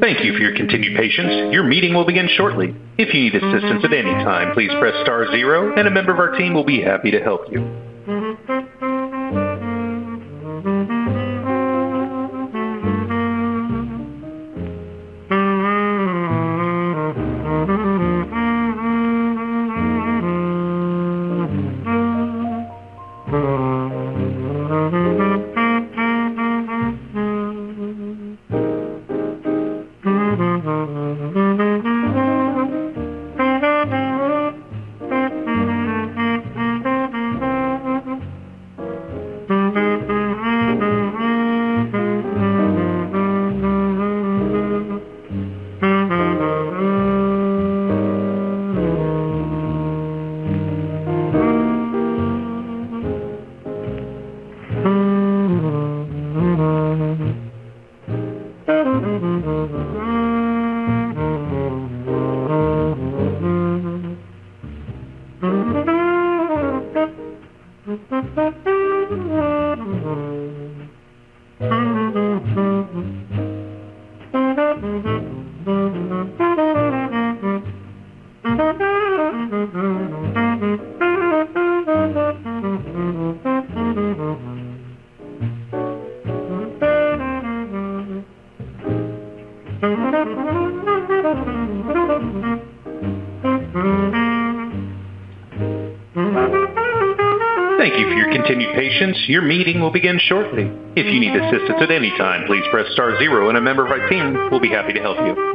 Thank you for your continued patience. Your meeting will begin shortly. If you need assistance at any time, please press star zero and a member of our team will be happy to help you. Please stand by. Your program is about to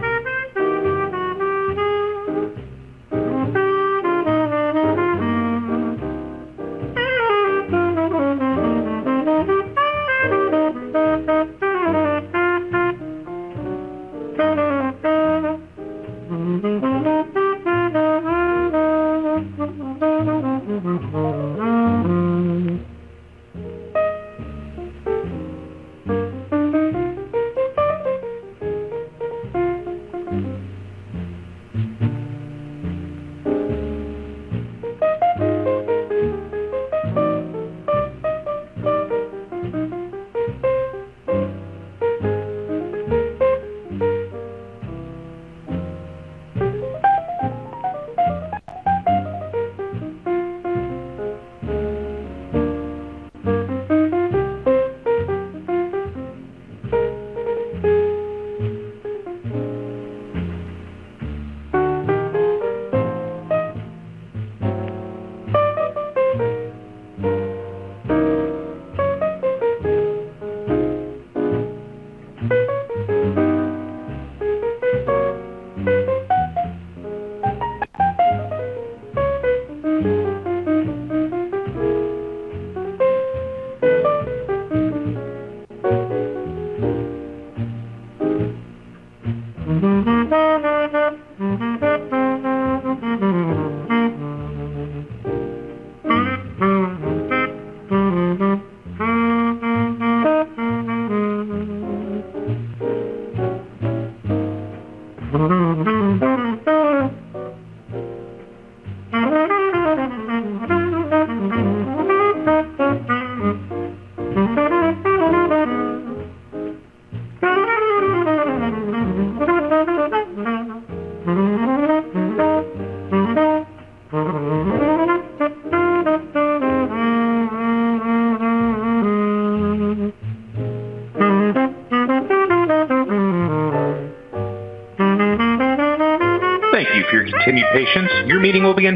begin.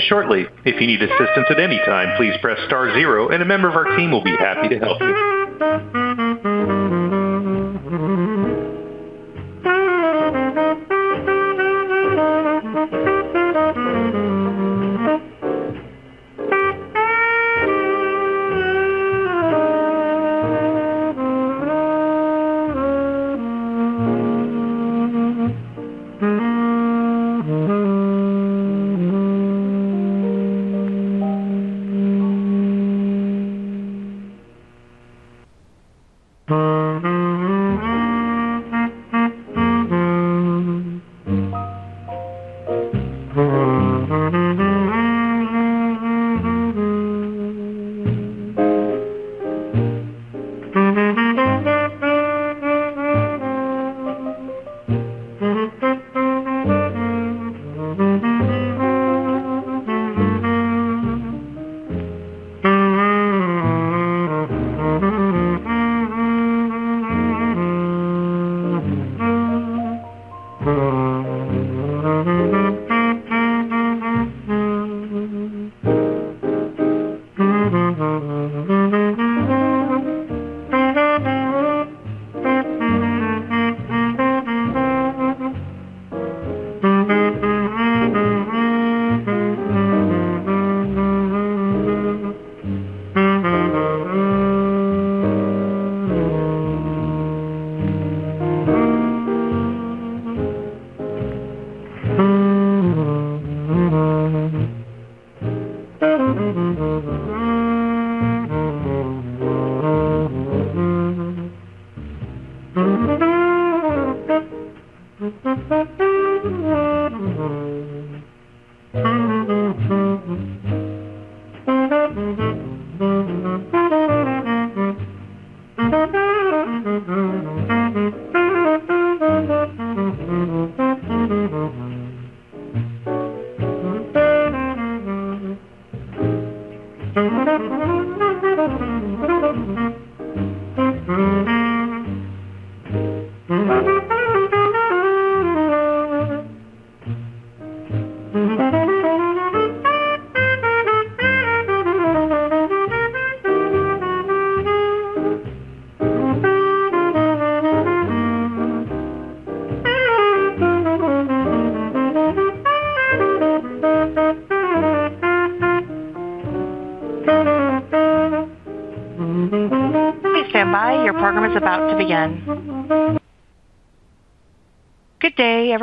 Good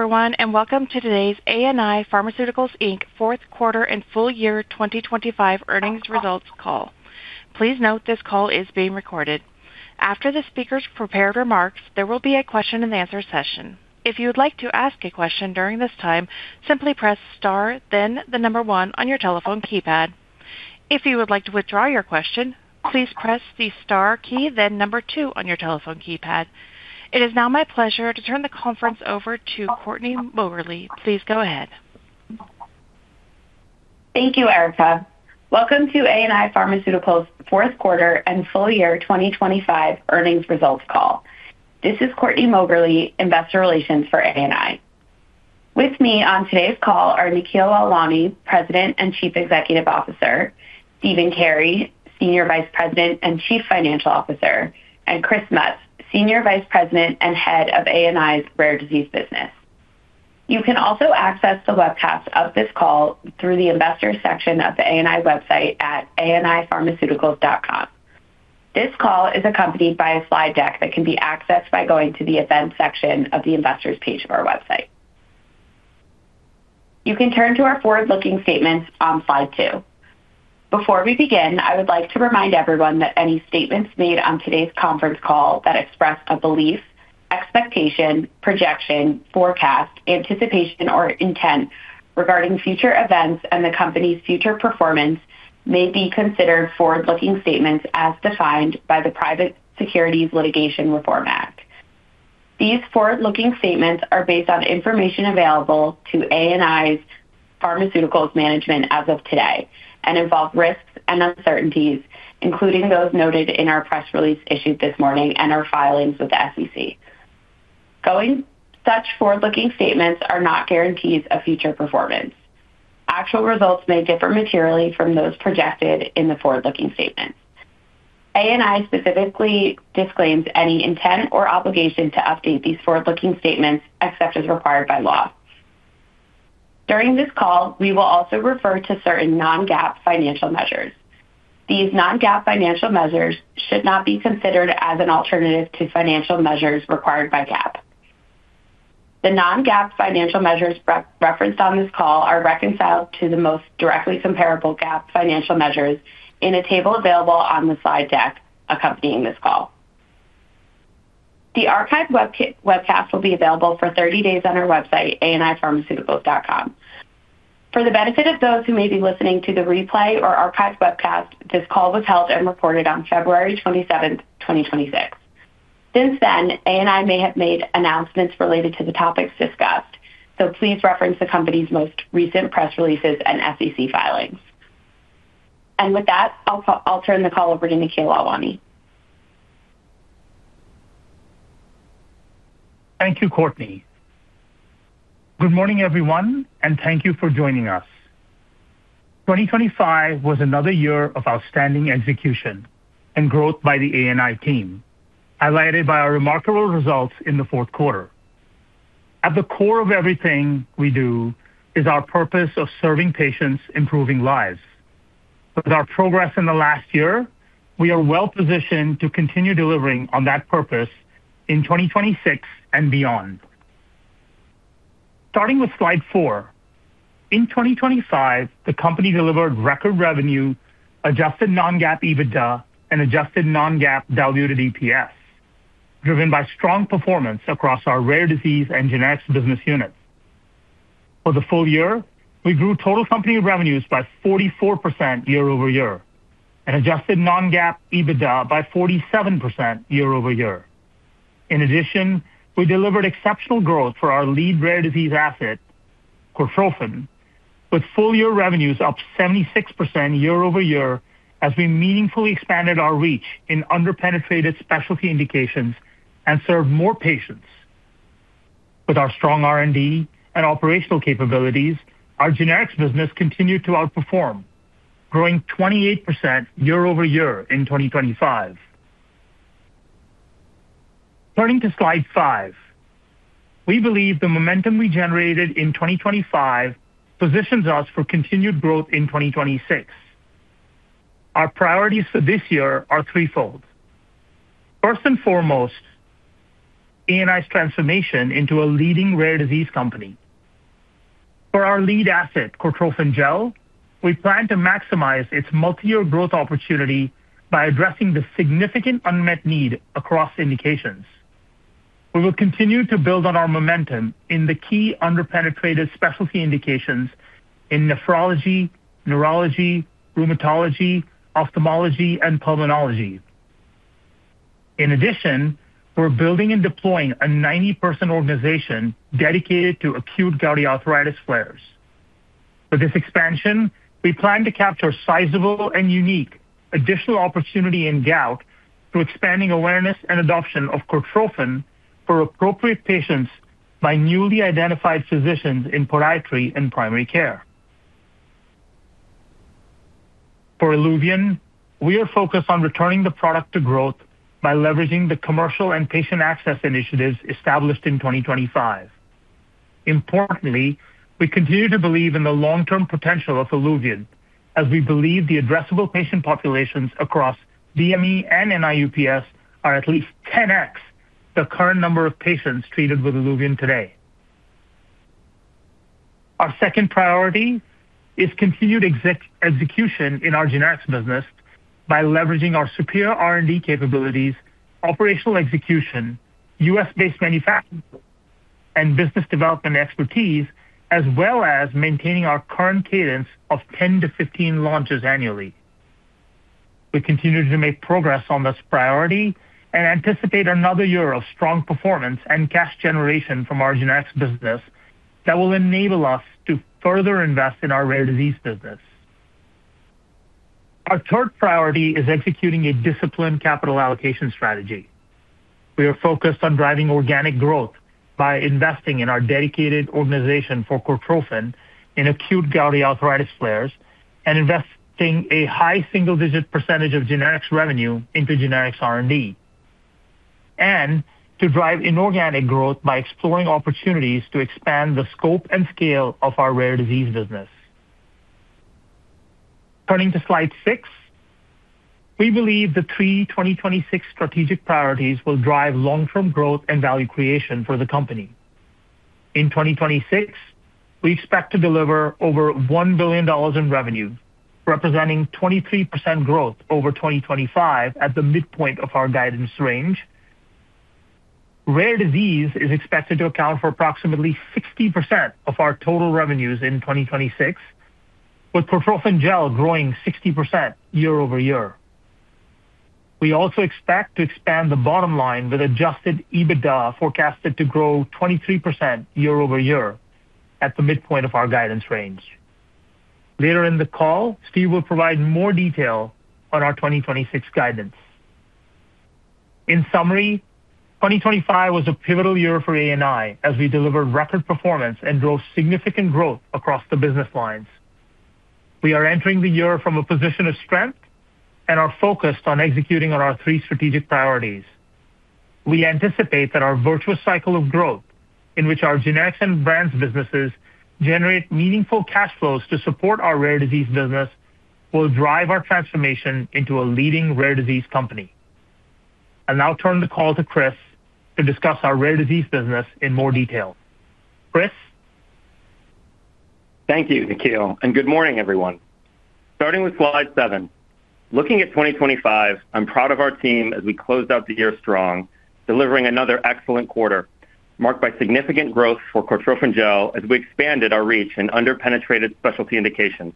day, everyone, welcome to today's ANI Pharmaceuticals Inc. Fourth Quarter and Full Year 2025 Earnings Results Call. Please note this call is being recorded. After the speaker's prepared remarks, there will be a question-and-answer session. If you would like to ask a question during this time, simply press star, then the number one on your telephone keypad. If you would like to withdraw your question, please press the star key, then number two on your telephone keypad. It is now my pleasure to turn the conference over to Courtney Mogerley. Please go ahead. Thank you, Erica. Welcome to ANI Pharmaceuticals Fourth Quarter and Full Year 2025 Earnings Results Call. This is Courtney Mogerley, Investor Relations for ANI. With me on today's call are Nikhil Lalwani, President and Chief Executive Officer; Stephen Carey, Senior Vice President and Chief Financial Officer; and Chris Mutz, Senior Vice President and Head of ANI's Rare Disease Business. You can also access the webcast of this call through the investors section of the ANI website at anipharmaceuticals.com. This call is accompanied by a slide deck that can be accessed by going to the Events section of the Investors page of our website. You can turn to our forward-looking statements on slide two. Before we begin, I would like to remind everyone that any statements made on today's conference call that express a belief, expectation, projection, forecast, anticipation, or intent regarding future events and the company's future performance may be considered forward-looking statements as defined by the Private Securities Litigation Reform Act. These forward-looking statements are based on information available to ANI Pharmaceuticals management as of today and involve risks and uncertainties, including those noted in our press release issued this morning and our filings with the SEC. Such forward-looking statements are not guarantees of future performance. Actual results may differ materially from those projected in the forward-looking statements. ANI specifically disclaims any intent or obligation to update these forward-looking statements except as required by law. During this call, we will also refer to certain non-GAAP financial measures. These non-GAAP financial measures should not be considered as an alternative to financial measures required by GAAP. The non-GAAP financial measures referenced on this call are reconciled to the most directly comparable GAAP financial measures in a table available on the slide deck accompanying this call. The archived webcast will be available for 30 days on our website, anipharmaceuticals.com. For the benefit of those who may be listening to the replay or archived webcast, this call was held and recorded on February 27th, 2026. Please reference the company's most recent press releases and SEC filings. With that, I'll turn the call over to Nikhil Lalwani. Thank you, Courtney. Good morning, everyone, and thank you for joining us. 2025 was another year of outstanding execution and growth by the ANI team, highlighted by our remarkable results in the fourth quarter. At the core of everything we do is our purpose of serving patients, improving lives. With our progress in the last year, we are well-positioned to continue delivering on that purpose in 2026 and beyond. Starting with slide four, in 2025, the company delivered record revenue, adjusted non-GAAP EBITDA, and adjusted non-GAAP diluted EPS, driven by strong performance across our rare disease and generics business units. For the full year, we grew total company revenues by 44% year-over-year and adjusted non-GAAP EBITDA by 47% year-over-year. We delivered exceptional growth for our lead rare disease asset, Cortrophin, with full-year revenues up 76% year-over-year, as we meaningfully expanded our reach in underpenetrated specialty indications and served more patients. With our strong R&D and operational capabilities, our generics business continued to outperform, growing 28% year-over-year in 2025. Turning to slide five. We believe the momentum we generated in 2025 positions us for continued growth in 2026. Our priorities for this year are threefold. First and foremost, ANI's transformation into a leading rare disease company. For our lead asset, Cortrophin Gel, we plan to maximize its multi-year growth opportunity by addressing the significant unmet need across indications. We will continue to build on our momentum in the key underpenetrated specialty indications in nephrology, neurology, rheumatology, ophthalmology, and pulmonology. In addition, we're building and deploying a 90-person organization dedicated to acute gouty arthritis flares. With this expansion, we plan to capture sizable and unique additional opportunity in gout through expanding awareness and adoption of Cortrophin for appropriate patients by newly identified physicians in podiatry and primary care. For ILUVIEN, we are focused on returning the product to growth by leveraging the commercial and patient access initiatives established in 2025. Importantly, we continue to believe in the long-term potential of ILUVIEN, as we believe the addressable patient populations across DME and NIU-PS are at least 10x the current number of patients treated with ILUVIEN today. Our second priority is continued execution in our generics business by leveraging our superior R&D capabilities, operational execution, U.S. based manufacturing, and business development expertise, as well as maintaining our current cadence of 10-15 launches annually. We continue to make progress on this priority and anticipate another year of strong performance and cash generation from our generics business that will enable us to further invest in our rare disease business. Our third priority is executing a disciplined capital allocation strategy. We are focused on driving organic growth by investing in our dedicated organization for Cortrophin in acute gouty arthritis flares, and investing a high single-digit percentage of generics revenue into generics R&D, and to drive inorganic growth by exploring opportunities to expand the scope and scale of our rare disease business. Turning to slide six. We believe the three 2026 strategic priorities will drive long-term growth and value creation for the company. In 2026, we expect to deliver over $1 billion in revenue, representing 23% growth over 2025 at the midpoint of our guidance range. Rare disease is expected to account for approximately 60% of our total revenues in 2026, with Cortrophin Gel growing 60% year-over-year. We also expect to expand the bottom line, with adjusted EBITDA forecasted to grow 23% year-over-year at the midpoint of our guidance range. Later in the call, Steve will provide more detail on our 2026 guidance. In summary, 2025 was a pivotal year for ANI as we delivered record performance and drove significant growth across the business lines. We are entering the year from a position of strength and are focused on executing on our three strategic priorities. We anticipate that our virtuous cycle of growth, in which our genetics and brands businesses generate meaningful cash flows to support our rare disease business, will drive our transformation into a leading rare disease company. I'll now turn the call to Chris to discuss our rare disease business in more detail. Chris? Thank you, Nikhil, and good morning, everyone. Starting with slide seven. Looking at 2025, I'm proud of our team as we closed out the year strong, delivering another excellent quarter, marked by significant growth for Cortrophin Gel as we expanded our reach in under-penetrated specialty indications.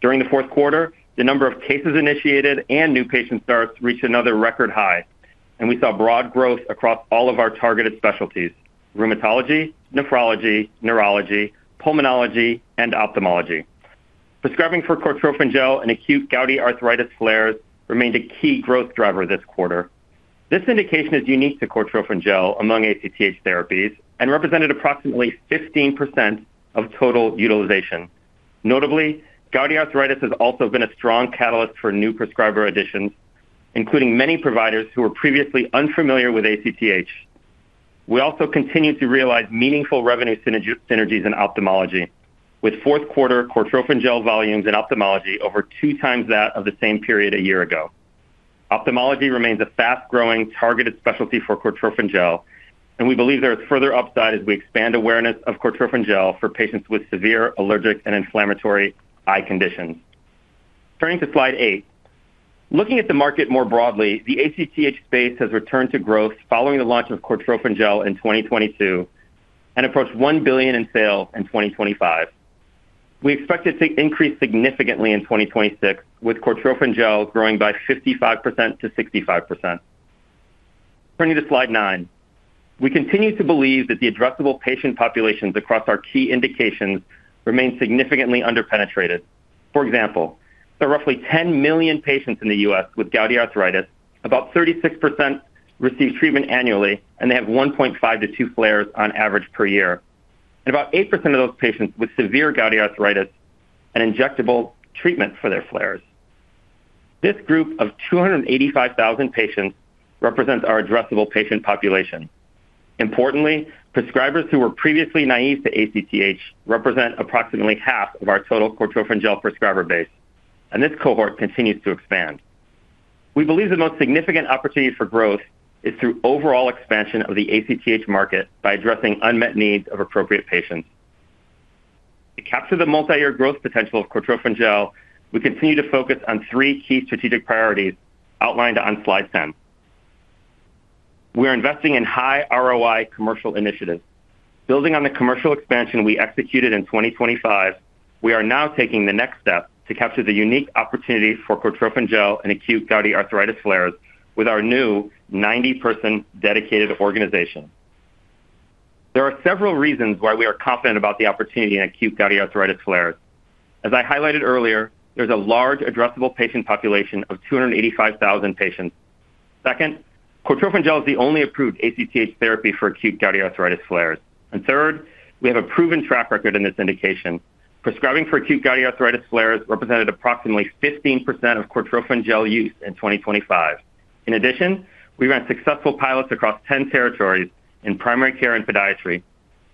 During the fourth quarter, the number of cases initiated and new patient starts reached another record high, and we saw broad growth across all of our targeted specialties: rheumatology, nephrology, neurology, pulmonology, and ophthalmology. Prescribing for Cortrophin Gel and acute gouty arthritis flares remained a key growth driver this quarter. This indication is unique to Cortrophin Gel among ACTH therapies and represented approximately 15% of total utilization. Notably, gouty arthritis has also been a strong catalyst for new prescriber additions, including many providers who were previously unfamiliar with ACTH. We also continue to realize meaningful revenue synergies in ophthalmology, with fourth quarter Cortrophin Gel volumes in ophthalmology over 2x that of the same period a year ago. Ophthalmology remains a fast-growing, targeted specialty for Cortrophin Gel, and we believe there is further upside as we expand awareness of Cortrophin Gel for patients with severe allergic and inflammatory eye conditions. Turning to slide eight. Looking at the market more broadly, the ACTH space has returned to growth following the launch of Cortrophin Gel in 2022 and approached $1 billion in sales in 2025. We expect it to increase significantly in 2026, with Cortrophin Gel growing by 55% to 65%. Turning to slide nine. We continue to believe that the addressable patient populations across our key indications remain significantly underpenetrated. For example, there are roughly 10 million patients in the U.S. with gouty arthritis. About 36% receive treatment annually, and they have 1.5 to 2 flares on average per year. About 8% of those patients with severe gouty arthritis, an injectable treatment for their flares. This group of 285,000 patients represents our addressable patient population. Importantly, prescribers who were previously naive to ACTH represent approximately half of our total Cortrophin Gel prescriber base, and this cohort continues to expand. We believe the most significant opportunity for growth is through overall expansion of the ACTH market by addressing unmet needs of appropriate patients. Capture the multi-year growth potential of Cortrophin Gel, we continue to focus on three key strategic priorities outlined on slide 10. We are investing in high ROI commercial initiatives. Building on the commercial expansion we executed in 2025, we are now taking the next step to capture the unique opportunity for Cortrophin Gel and acute gouty arthritis flares with our new 90-person dedicated organization. There are several reasons why we are confident about the opportunity in acute gouty arthritis flares. As I highlighted earlier, there's a large addressable patient population of 285,000 patients. Second, Cortrophin Gel is the only approved ACTH therapy for acute gouty arthritis flares. Third, we have a proven track record in this indication. Prescribing for acute gouty arthritis flares represented approximately 15% of Cortrophin Gel use in 2025. In addition, we ran successful pilots across 10 territories in primary care and podiatry.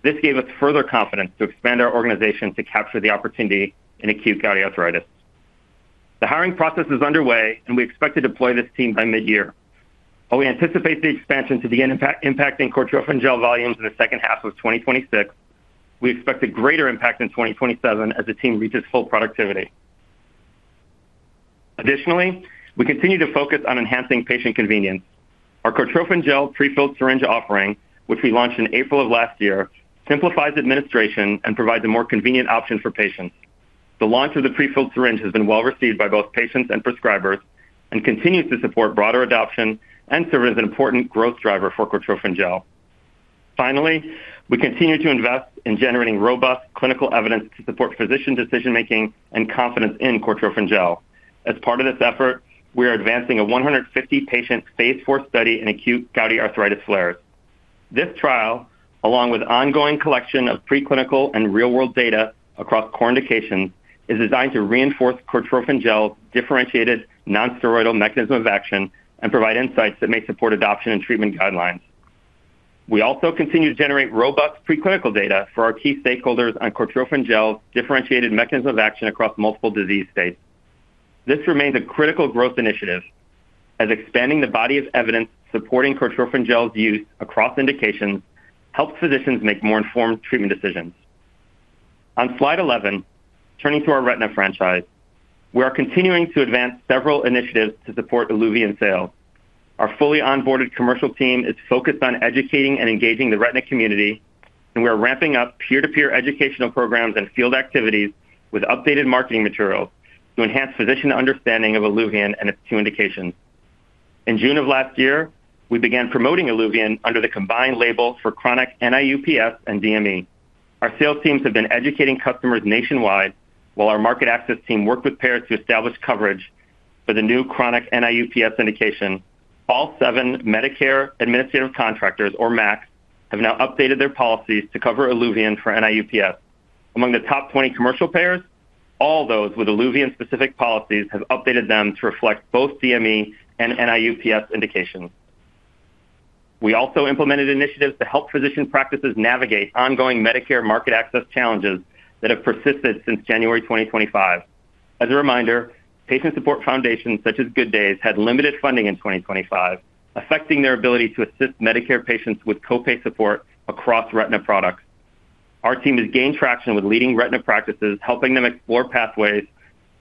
This gave us further confidence to expand our organization to capture the opportunity in acute gouty arthritis. The hiring process is underway, we expect to deploy this team by mid-year. While we anticipate the expansion to be impacting Cortrophin Gel volumes in the second half of 2026, we expect a greater impact in 2027 as the team reaches full productivity. Additionally, we continue to focus on enhancing patient convenience. Our Cortrophin Gel prefilled syringe offering, which we launched in April of last year, simplifies administration and provides a more convenient option for patients. The launch of the prefilled syringe has been well received by both patients and prescribers and continues to support broader adoption and serve as an important growth driver for Cortrophin Gel. Finally, we continue to invest in generating robust clinical evidence to support physician decision-making and confidence in Cortrophin Gel. As part of this effort, we are advancing a 150 patient phase four study in acute gouty arthritis flares. This trial, along with ongoing collection of preclinical and real-world data across core indications, is designed to reinforce Cortrophin Gel differentiated non-steroidal mechanism of action and provide insights that may support adoption and treatment guidelines. We also continue to generate robust preclinical data for our key stakeholders on Cortrophin Gel's differentiated mechanism of action across multiple disease states. This remains a critical growth initiative as expanding the body of evidence supporting Cortrophin Gel's use across indications helps physicians make more informed treatment decisions. On slide 11, turning to our retina franchise, we are continuing to advance several initiatives to support ILUVIEN sales. Our fully onboarded commercial team is focused on educating and engaging the retina community, and we are ramping up peer-to-peer educational programs and field activities with updated marketing materials to enhance physician understanding of ILUVIEN and its two indications. In June of last year, we began promoting ILUVIEN under the combined label for chronic NIU-PS and DME. Our sales teams have been educating customers nationwide while our market access team worked with payers to establish coverage for the new chronic NIU-PS indication. All seven Medicare administrative contractors, or MAC's, have now updated their policies to cover ILUVIEN for NIU-PS. Among the top 20 commercial payers, all those with ILUVIEN-specific policies have updated them to reflect both DME and NIU-PS indications. We also implemented initiatives to help physician practices navigate ongoing Medicare market access challenges that have persisted since January 2025. As a reminder, patient support foundations such as Good Days, had limited funding in 2025, affecting their ability to assist Medicare patients with co-pay support across Retina products. Our team has gained traction with leading Retina practices, helping them explore pathways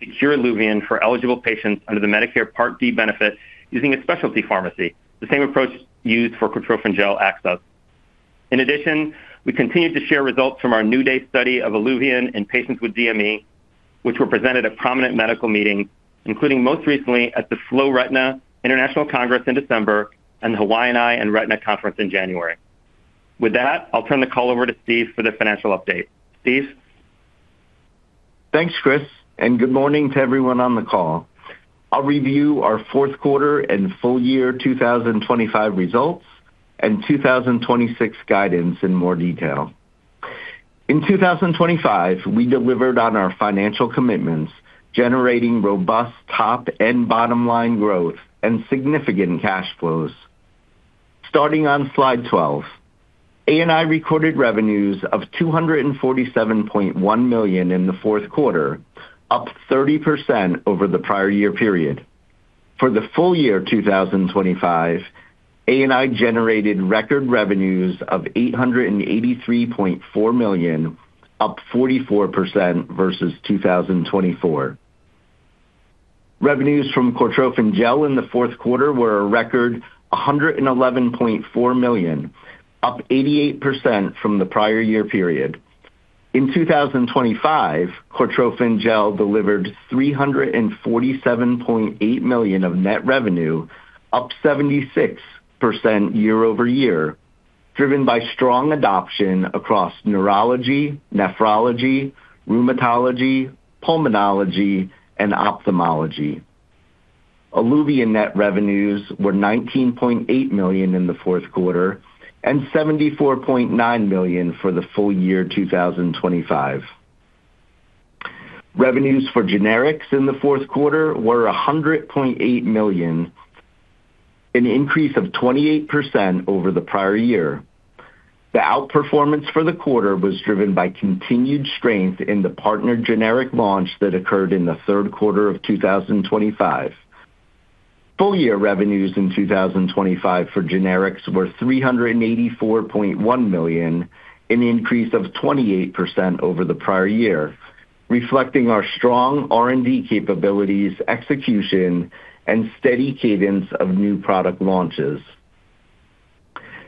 to cure ILUVIEN for eligible patients under the Medicare Part D benefit, using a specialty pharmacy, the same approach used for Cortrophin Gel access. In addition, we continued to share results from our NEW DAY study of ILUVIEN in patients with DME, which were presented at prominent medical meetings, including most recently at the FLORetina International Congress in December and the Hawaiian Eye and Retina in January. With that, I'll turn the call over to Steve for the financial update. Steve? Thanks, Chris, good morning to everyone on the call. I'll review our fourth quarter and full year 2025 results and 2026 guidance in more detail. In 2025, we delivered on our financial commitments, generating robust top and bottom line growth and significant cash flows. Starting on slide 12, ANI recorded revenues of $247.1 million in the fourth quarter, up 30% over the prior year period. For the full year 2025, ANI generated record revenues of $883.4 million, up 44% versus 2024. Revenues from Cortrophin Gel in the fourth quarter were a record $111.4 million, up 88% from the prior year period. In 2025, Cortrophin Gel delivered $347.8 million of net revenue, up 76% year-over-year, driven by strong adoption across neurology, nephrology, rheumatology, pulmonology, and ophthalmology. ILUVIEN net revenues were $19.8 million in the fourth quarter and $74.9 million for the full year 2025. Revenues for generics in the fourth quarter were $100.8 million, an increase of 28% over the prior year. The outperformance for the quarter was driven by continued strength in the partnered generic launch that occurred in the third quarter of 2025. Full year revenues in 2025 for generics were $384.1 million, an increase of 28% over the prior year, reflecting our strong R&D capabilities, execution, and steady cadence of new product launches.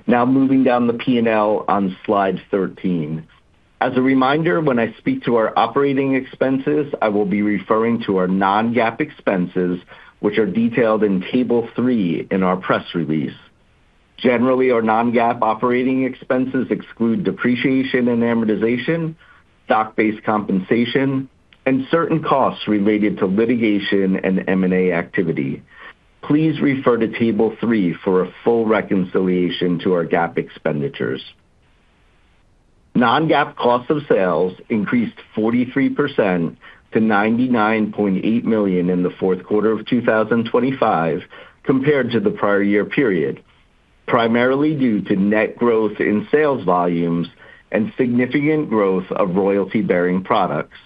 Moving down the P&L on slide 13. As a reminder, when I speak to our operating expenses, I will be referring to our non-GAAP expenses, which are detailed in table 3 in our press release. Generally, our non-GAAP operating expenses exclude depreciation and amortization, stock-based compensation, and certain costs related to litigation and M&A activity. Please refer to table 3 for a full reconciliation to our GAAP expenditures. Non-GAAP cost of sales increased 43% to $99.8 million in the fourth quarter of 2025 compared to the prior year period, primarily due to net growth in sales volumes and significant growth of royalty-bearing products.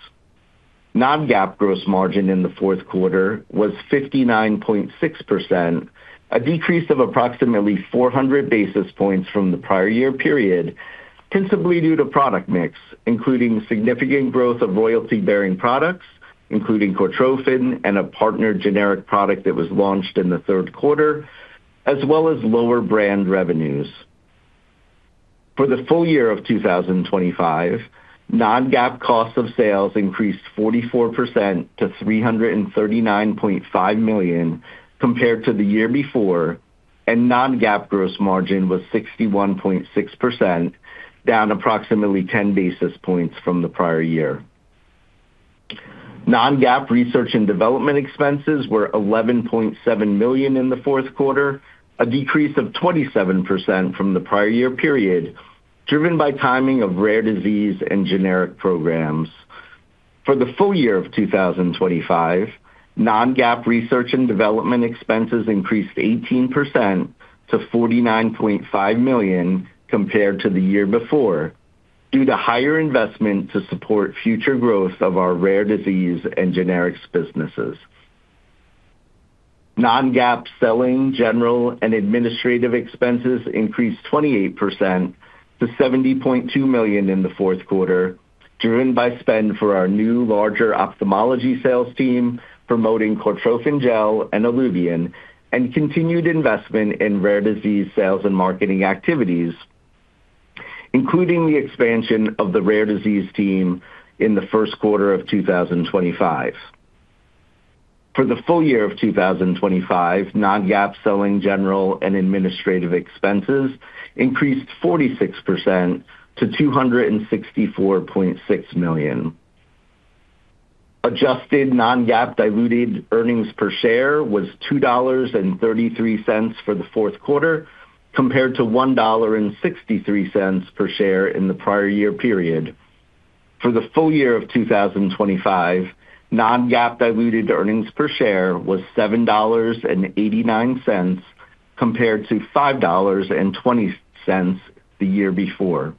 Non-GAAP gross margin in the fourth quarter was 59.6%, a decrease of approximately 400 basis points from the prior year period, principally due to product mix, including significant growth of royalty-bearing products, including Cortrophin and a partnered generic product that was launched in the third quarter, as well as lower brand revenues. For the full year of 2025, non-GAAP cost of sales increased 44% to $339.5 million compared to the year before, and non-GAAP gross margin was 61.6%, down approximately 10 basis points from the prior year. Non-GAAP research and development expenses were $11.7 million in the fourth quarter, a decrease of 27% from the prior year period, driven by timing of rare disease and generic programs. For the full year of 2025, non-GAAP research and development expenses increased 18% to $49.5 million compared to the year before, due to higher investment to support future growth of our rare disease and generics businesses. Non-GAAP Selling, General, and Administrative Expenses increased 28% to $70.2 million in the fourth quarter, driven by spend for our new, larger ophthalmology sales team, promoting Cortrophin Gel and ILUVIEN, and continued investment in rare disease sales and marketing activities, including the expansion of the rare disease team in the first quarter of 2025. For the full year of 2025, non-GAAP Selling, General, and Administrative Expenses increased 46% to $264.6 million. Adjusted non-GAAP diluted earnings per share was $2.33 for the fourth quarter, compared to $1.63 per share in the prior year period. For the full year of 2025, non-GAAP diluted earnings per share was $7.89, compared to $5.20 the year before.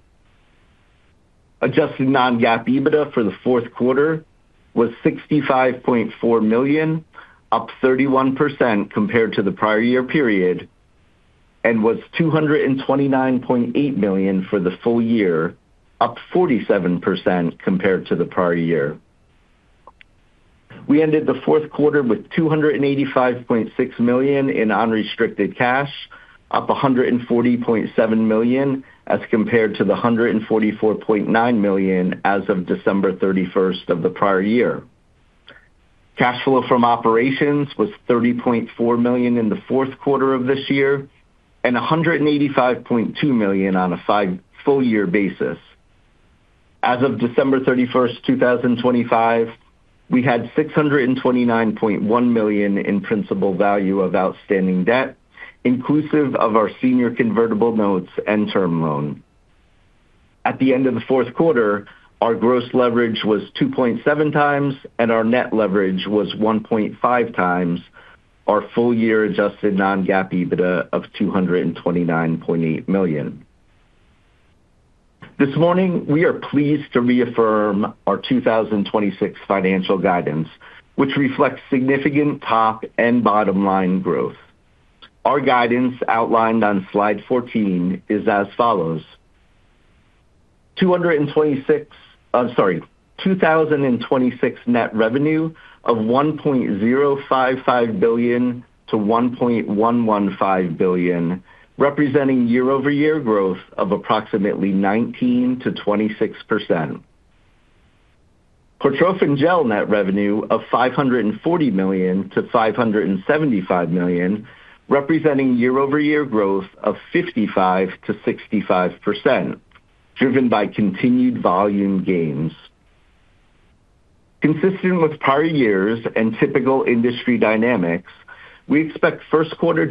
Adjusted non-GAAP EBITDA for the fourth quarter was $65.4 million, up 31% compared to the prior year period, and was $229.8 million for the full year, up 47% compared to the prior year. We ended the fourth quarter with $285.6 million in unrestricted cash, up $140.7 million, as compared to the $144.9 million as of December 31st of the prior year. Cash flow from operations was $30.4 million in the fourth quarter of this year and $185.2 million on a full-year basis. As of December 31st, 2025, we had $629.1 million in principal value of outstanding debt, inclusive of our senior convertible notes and term loan. At the end of the fourth quarter, our gross leverage was 2.7x, and our net leverage was 1.5x our full-year adjusted non-GAAP EBITDA of $229.8 million. This morning, we are pleased to reaffirm our 2026 financial guidance, which reflects significant top and bottom line growth. Our guidance outlined on slide 14 is as follows: 2026, Oh sorry. 2026 net revenue of $1.055 billion to $1.115 billion, representing year-over-year growth of approximately 19% to 26%. Cortrophin Gel net revenue of $540 million to $575 million, representing year-over-year growth of 55% to 65%, driven by continued volume gains. Consistent with prior years and typical industry dynamics, we expect first quarter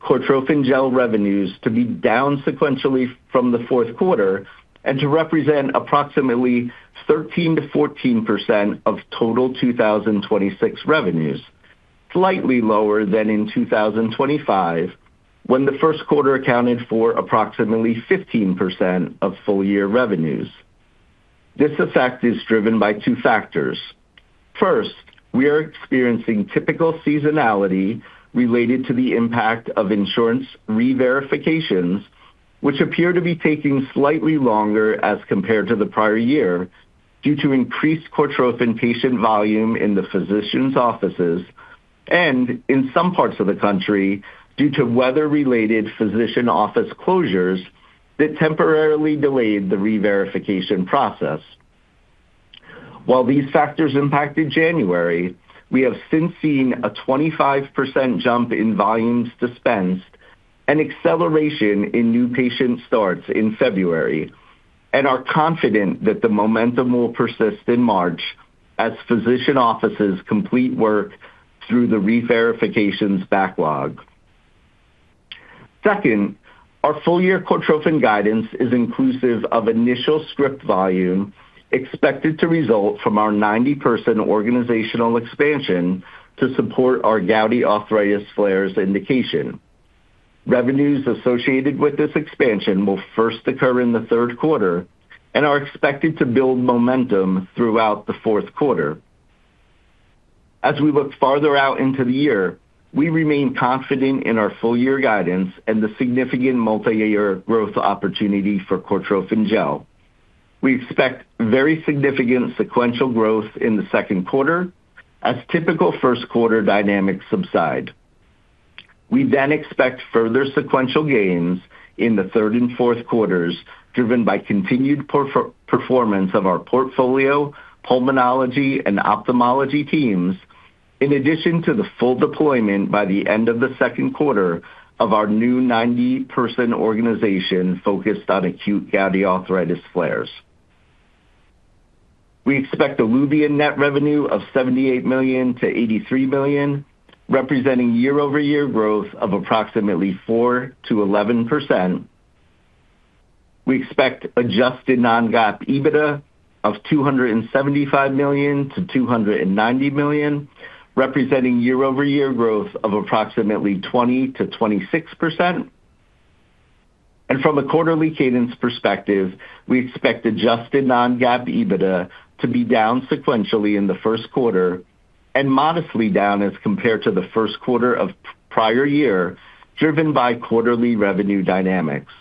Cortrophin Gel revenues to be down sequentially from the f`ourth quarter and to represent approximately 13% to 14% of total 2026 revenues, slightly lower than in 2025, when the first quarter accounted for approximately 15% of full year revenues. This effect is driven by two factors. First, we are experiencing typical seasonality related to the impact of insurance reverifications, which appear to be taking slightly longer as compared to the prior year, due to increased Cortrophin patient volume in the physicians' offices and in some parts of the country, due to weather-related physician office closures that temporarily delayed the reverification process. While these factors impacted January, we have since seen a 25% jump in volumes dispensed, an acceleration in new patient starts in February, and are confident that the momentum will persist in March as physician offices complete work through the reverifications backlog. Second, our full-year Cortrophin guidance is inclusive of initial script volume expected to result from our 90-person organizational expansion to support our gouty arthritis flares indication. Revenues associated with this expansion will first occur in the third quarter and are expected to build momentum throughout the fourth quarter. As we look farther out into the year, we remain confident in our full-year guidance and the significant multiyear growth opportunity for Cortrophin Gel. We expect very significant sequential growth in the second quarter as typical first quarter dynamics subside We expect further sequential gains in the third and fourth quarters, driven by continued performance of our portfolio, pulmonology, and ophthalmology teams, in addition to the full deployment by the end of the second quarter of our new 90-person organization focused on acute gouty arthritis flares. We expect ILUVIEN net revenue of $78 million to $83 million, representing year-over-year growth of approximately 4% to 11%. We expect adjusted non-GAAP EBITDA of $275 million to $290 million, representing year-over-year growth of approximately 20% to 26%. From a quarterly cadence perspective, we expect adjusted non-GAAP EBITDA to be down sequentially in the first quarter and modestly down as compared to the first quarter of prior year, driven by quarterly revenue dynamics.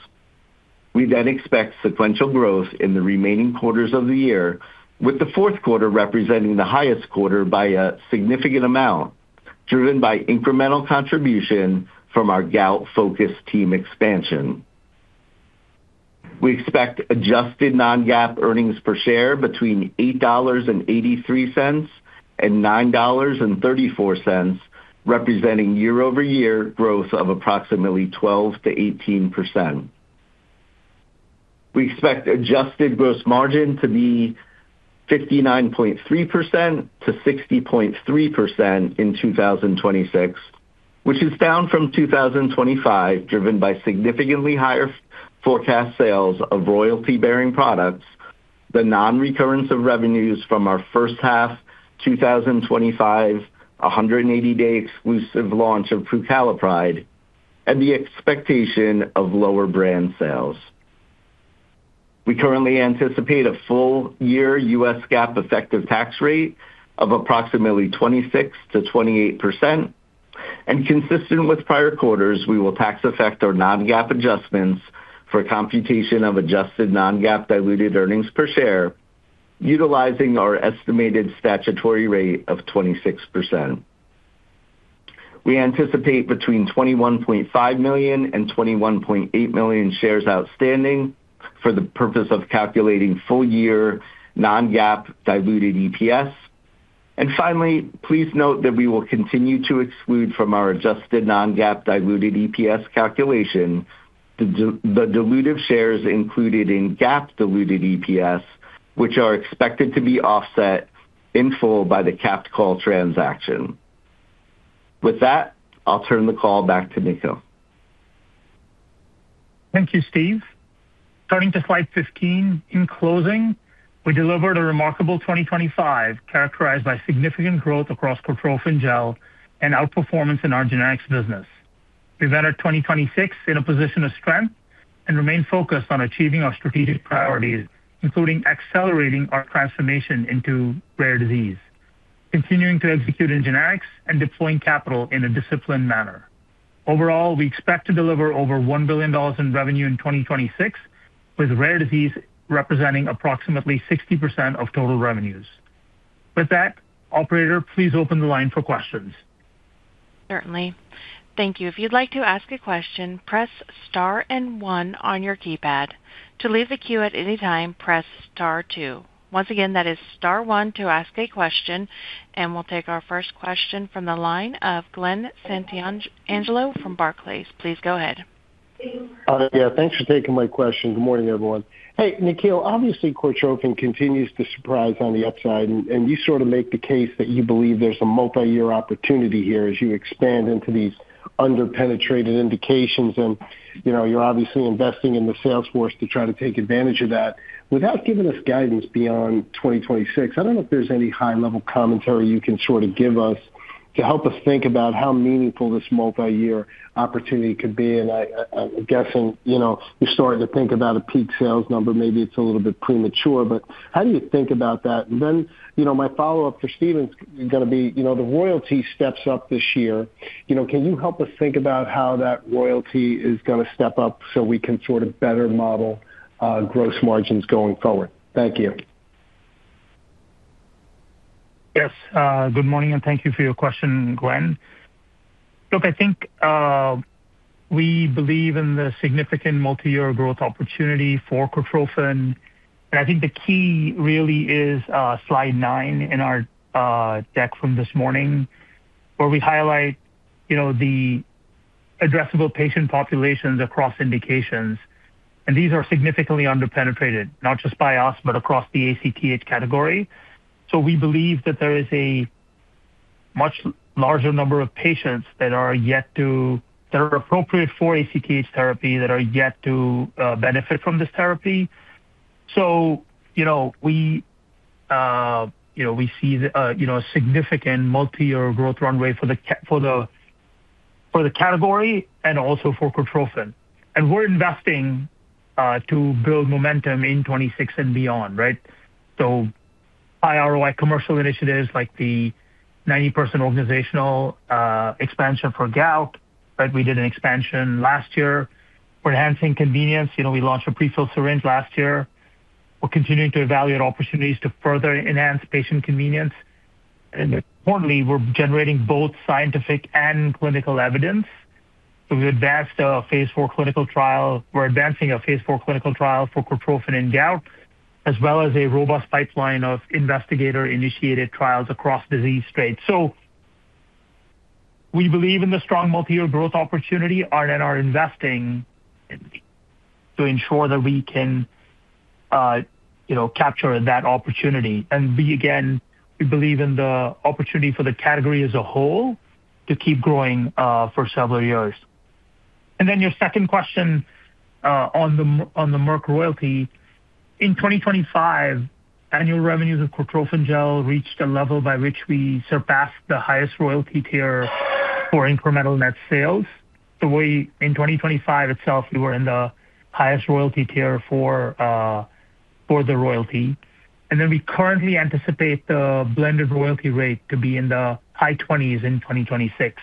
We expect sequential growth in the remaining quarters of the year, with the fourth quarter representing the highest quarter by a significant amount, driven by incremental contribution from our gout-focused team expansion. We expect adjusted non-GAAP earnings per share between $8.83 and $9.34, representing year-over-year growth of approximately 12% to 18%. We expect adjusted gross margin to be 59.3% to 60.3% in 2026, which is down from 2025, driven by significantly higher forecast sales of royalty-bearing products, the non-recurrence of revenues from our first half 2025, a 180-day exclusive launch of Prucalopride, and the expectation of lower brand sales. We currently anticipate a full-year U.S. GAAP effective tax rate of approximately 26% to 28%, and consistent with prior quarters, we will tax effect our non-GAAP adjustments for computation of adjusted non-GAAP diluted earnings per share, utilizing our estimated statutory rate of 26%. We anticipate between 21.5 million and 21.8 million shares outstanding for the purpose of calculating full-year non-GAAP diluted EPS. Finally, please note that we will continue to exclude from our adjusted non-GAAP diluted EPS calculation, the dilutive shares included in GAAP diluted EPS, which are expected to be offset in full by the capped call transaction. I'll turn the call back to Nikhil. Thank you, Steve. Turning to slide 15. In closing, we delivered a remarkable 2025, characterized by significant growth across Cortrophin Gel and outperformance in our generics business. We've entered 2026 in a position of strength and remain focused on achieving our strategic priorities, including accelerating our transformation into rare disease, continuing to execute in generics, and deploying capital in a disciplined manner. Overall, we expect to deliver over $1 billion in revenue in 2026, with rare disease representing approximately 60% of total revenues. With that, operator, please open the line for questions. Certainly. Thank you. If you'd like to ask a question, press star and one on your keypad. To leave the queue at any time, press star two. Once again, that is star one to ask a question. We'll take our first question from the line of Glen Santangelo from Barclays. Please go ahead. Yeah, thanks for taking my question. Good morning, everyone. Hey, Nikhil, obviously, Cortrophin continues to surprise on the upside, and you sort of make the case that you believe there's a multiyear opportunity here as you expand into these under-penetrated indications. You know, you're obviously investing in the sales force to try to take advantage of that. Without giving us guidance beyond 2026, I don't know if there's any high-level commentary you can sort of give us, to help us think about how meaningful this multiyear opportunity could be, and I'm guessing, you know, you're starting to think about a peak sales number. Maybe it's a little bit premature, but how do you think about that? Then, you know, my follow-up for Stephen's gonna be, you know, the royalty steps up this year. You know, can you help us think about how that royalty is gonna step up so we can sort of better model, gross margins going forward? Thank you. Good morning, and thank you for your question, Glenn. I think, we believe in the significant multi-year growth opportunity for Cortrophin, but I think the key really is slide nine in our deck from this morning, where we highlight, you know, the addressable patient populations across indications. These are significantly underpenetrated, not just by us, but across the ACTH category. We believe that there is a much larger number of patients that are appropriate for ACTH therapy, that are yet to benefit from this therapy. You know, we, you know, we see, you know, a significant multi-year growth runway for the category and also for Cortrophin. We're investing to build momentum in 2026 and beyond, right? High ROI commercial initiatives, like the 90% organizational expansion for gout, right? We did an expansion last year. We're enhancing convenience. You know, we launched a prefilled syringe last year. We're continuing to evaluate opportunities to further enhance patient convenience. Importantly, we're generating both scientific and clinical evidence. We advanced a Phase 4 clinical trial. We're advancing a Phase 4 clinical trial for Cortrophin in gout, as well as a robust pipeline of investigator-initiated trials across disease states. We believe in the strong multi-year growth opportunity and are investing to ensure that we can, you know, capture that opportunity. We, again, we believe in the opportunity for the category as a whole to keep growing for several years. Your second question on the Merck royalty. In 2025, annual revenues of Cortrophin Gel reached a level by which we surpassed the highest royalty tier for incremental net sales. We, in 2025 itself, we're in the highest royalty tier for the royalty. We currently anticipate the blended royalty rate to be in the high 20s in 2026.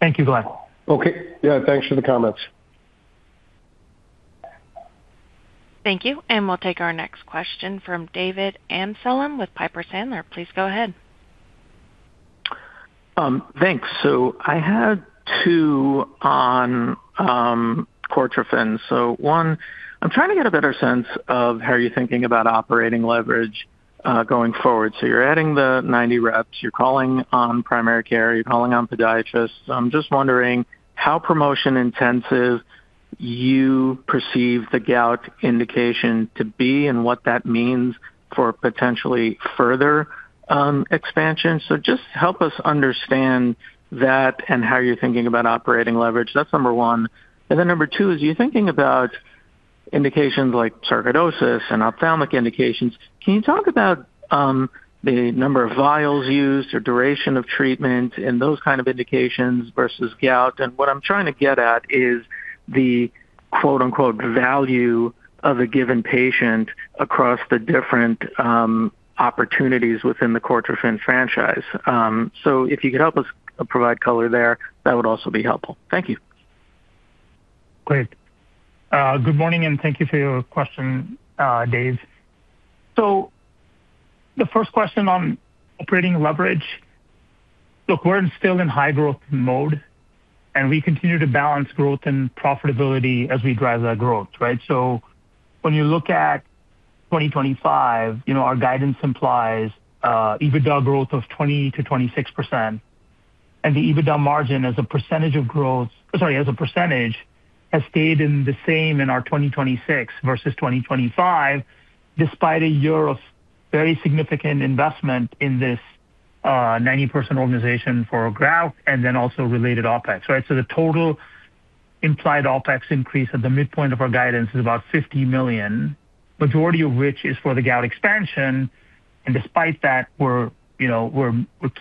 Thank you, Glenn. Okay. Yeah, thanks for the comments. Thank you, and we'll take our next question from David Amsellem with Piper Sandler. Please go ahead. Thanks. I had two on Cortrophin. One, I'm trying to get a better sense of how you're thinking about operating leverage going forward. You're adding the 90 reps, you're calling on primary care, you're calling on podiatrists. I'm just wondering how promotion intensive you perceive the gout indication to be and what that means for potentially further expansion. Just help us understand that and how you're thinking about operating leverage. That's number one. Then number two, as you're thinking about indications like sarcoidosis and ophthalmic indications, can you talk about the number of vials used or duration of treatment and those kind of indications versus gout? What I'm trying to get at is the quote, unquote, "value" of a given patient across the different opportunities within the Cortrophin franchise. If you could help us provide color there, that would also be helpful. Thank you. Great. Good morning, and thank you for your question, Dave. The first question on operating leverage. Look, we're still in high growth mode, and we continue to balance growth and profitability as we drive that growth, right? When you look at 2025, you know, our guidance implies EBITDA growth of 20% to 26%, and the EBITDA margin as a percentage of growth, sorry, as a percentage, has stayed in the same in our 2026 versus 2025, despite a year of very significant investment in this 90-person organization for gout and then also related OpEx, right? The total implied OpEx increase at the midpoint of our guidance is about $50 million, majority of which is for the gout expansion, and despite that, we're, you know, we're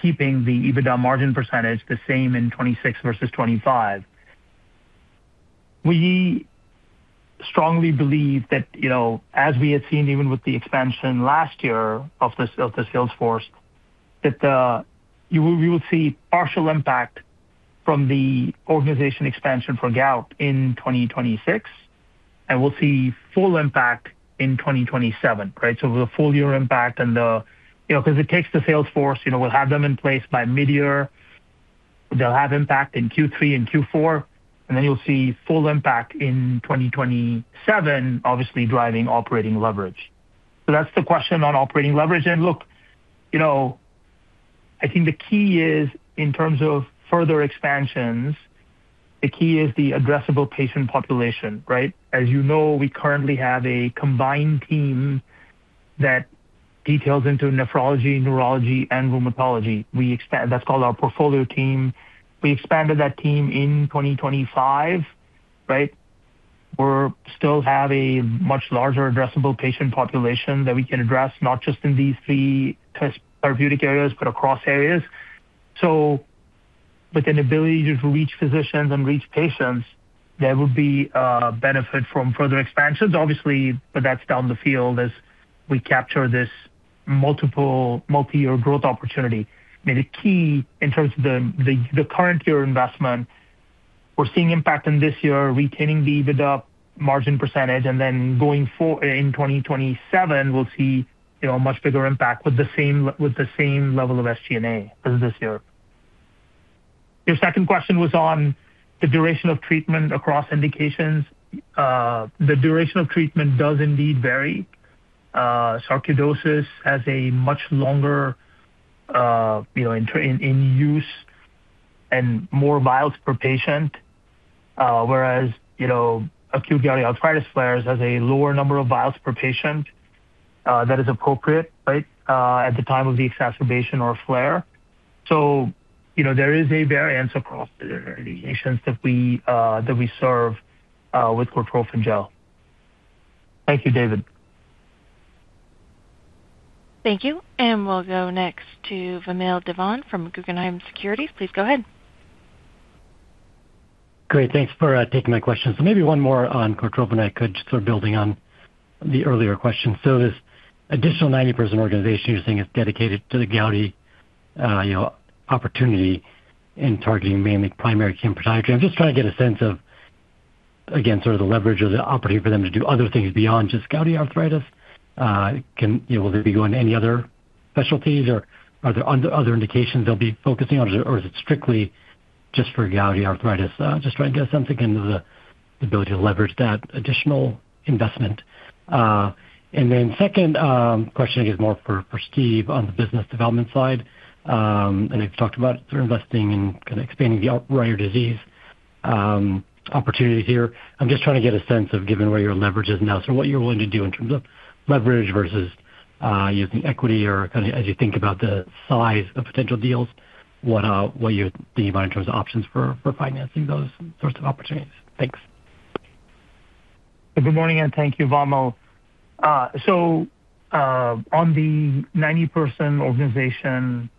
keeping the EBITDA margin percentage the same in 2026 versus 2025. We strongly believe that, you know, as we have seen, even with the expansion last year of the, of the sales force, that we will see partial impact from the organization expansion for gout in 2026, and we'll see full impact in 2027, right? The full year impact and the, you know, because it takes the sales force, you know, we'll have them in place by midyear. They'll have impact in Q3 and Q4, and then you'll see full impact in 2027, obviously driving operating leverage. That's the question on operating leverage. Look, you know, I think the key is in terms of further expansions, the key is the addressable patient population, right? As you know, we currently have a combined team that details into nephrology, neurology, and rheumatology. That's called our portfolio team. We expanded that team in 2025, right? We're still have a much larger addressable patient population that we can address, not just in these three therapeutic areas, but across areas. With an ability to reach physicians and reach patients, there will be a benefit from further expansions, obviously, but that's down the field as we capture this multiple, multi-year growth opportunity. I mean, the key in terms of the current year investment, we're seeing impact in this year, retaining the EBITDA margin percentage, and then going for in 2027, we'll see, you know, a much bigger impact with the same, with the same level of SG&A as this year. Your second question was on the duration of treatment across indications. The duration of treatment does indeed vary. Sarcoidosis has a much longer, you know, in use and more vials per patient, whereas, you know, acute gouty arthritis flares has a lower number of vials per patient. That is appropriate, right, at the time of the exacerbation or flare. You know, there is a variance across the variations that we, that we serve, with Cortrophin Gel. Thank you, David. Thank you. We'll go next to Vamil Divan from Guggenheim Securities. Please go ahead. Great. Thanks for taking my question. Maybe one more on Cortrophin I could just sort of building on the earlier question. This additional 90 person organization you're saying is dedicated to the gouty, you know, opportunity in targeting mainly primary care podiatry. I'm just trying to get a sense of, again, sort of the leverage or the opportunity for them to do other things beyond just gouty arthritis. Can, you know, will they be going to any other specialties, or are there other indications they'll be focusing on, or is it strictly just for gouty arthritis? Just trying to get a sense, again, of the ability to leverage that additional investment. Second, question, I guess, more for Steve on the business development side. I've talked about investing in kind of expanding the ocular disease, opportunity here. I'm just trying to get a sense of given where your leverage is now, so what you're willing to do in terms of leverage versus, using equity or kind of as you think about the size of potential deals, what you think about in terms of options for financing those sorts of opportunities. Thanks. Good morning, and thank you, Vamil. On the 90 person organization,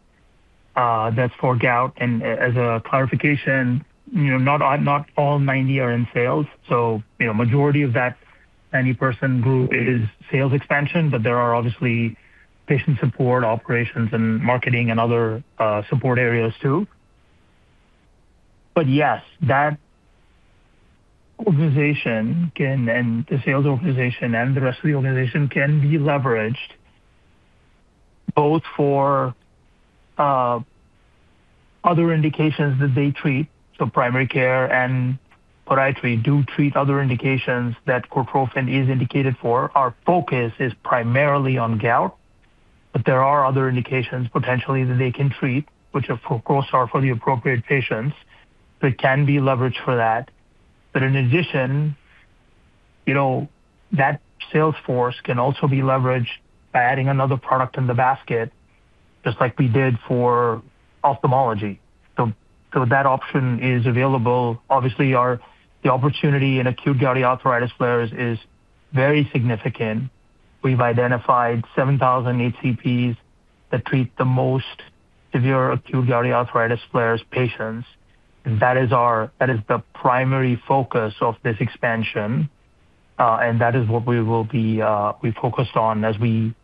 that's for gout, and as a clarification, you know, not all 90 are in sales. You know, majority of that 90 person group is sales expansion, but there are obviously patient support, operations and marketing and other support areas too. Yes, that organization can, and the sales organization and the rest of the organization can be leveraged both for other indications that they treat. Primary care and podiatry do treat other indications that Cortrophin is indicated for. Our focus is primarily on gout, but there are other indications potentially that they can treat, which of course are for the appropriate patients, but can be leveraged for that. In addition, you know, that sales force can also be leveraged by adding another product in the basket, just like we did for ophthalmology. That option is available. Obviously, the opportunity in acute gouty arthritis flares is very significant. We've identified 7,000 HCPs that treat the most severe acute gouty arthritis flares patients. That is the primary focus of this expansion, and that is what we focused on as we,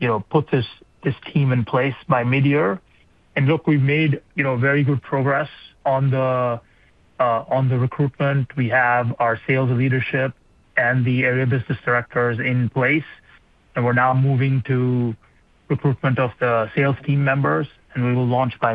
you know, put this team in place by mid-year. Look, we've made, you know, very good progress on the on the recruitment. We have our sales leadership and the Area Business Directors in place, and we're now moving to recruitment of the sales team members, and we will launch by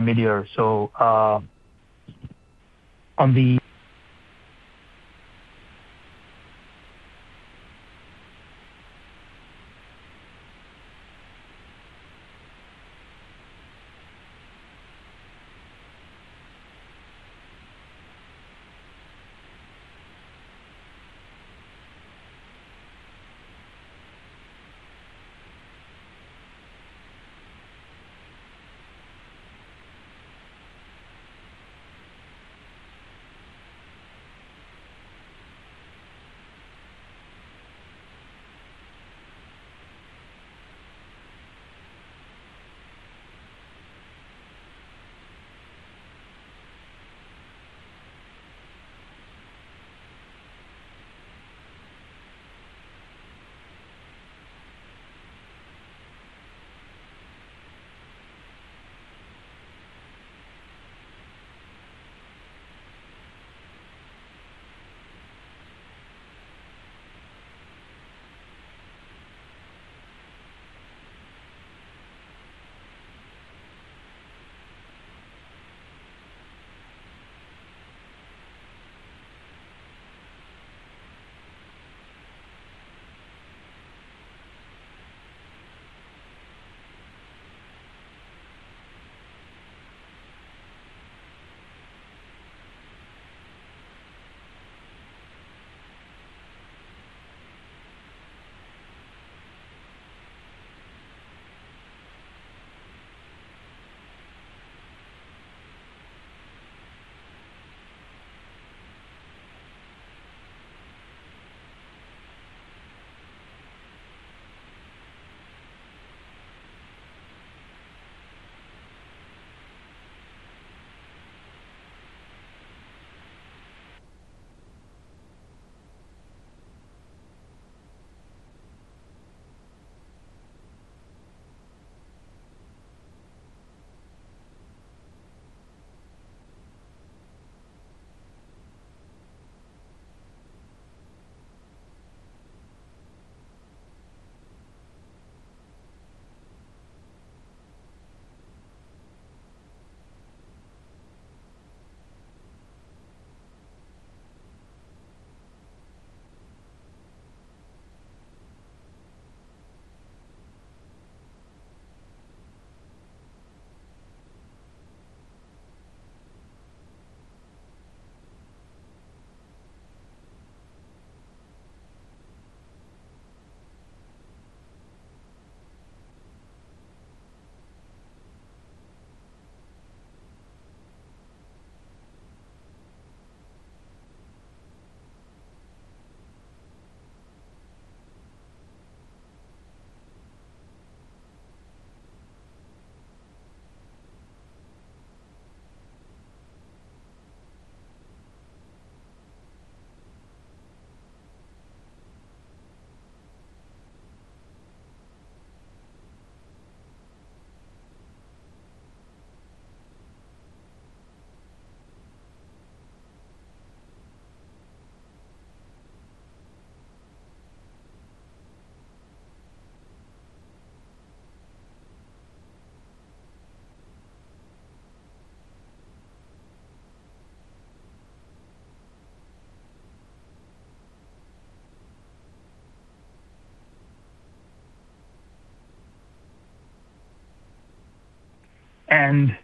mid-year.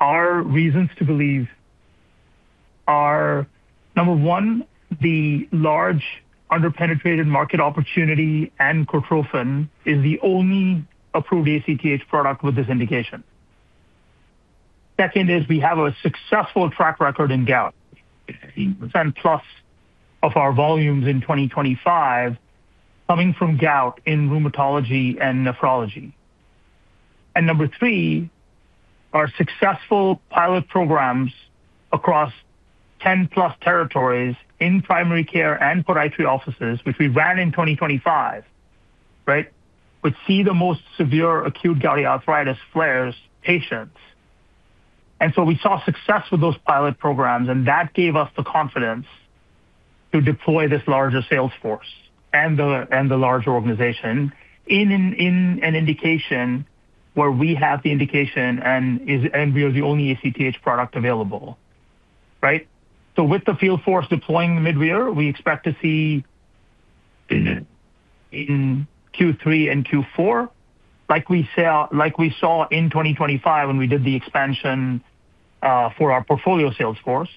Our reasons to believe are, number one, the large under-penetrated market opportunity, and Cortrophin is the only approved ACTH product with this indication. Second is we have a successful track record in gout, percent plus of our volumes in 2025 coming from gout in rheumatology and nephrology. Number three, our successful pilot programs across 10+ territories in primary care and podiatry offices, which we ran in 2025, right? Which see the most severe acute gouty arthritis flares patients. We saw success with those pilot programs, and that gave us the confidence to deploy this larger sales force and the larger organization in an indication where we have the indication and we are the only ACTH product available, right? With the field force deploying mid-year, we expect to see in Q3 and Q4, like we saw in 2025 when we did the expansion, for our portfolio sales force,